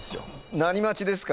何待ちですか？